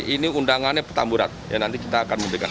ini undangannya petamburan ya nanti kita akan memberikan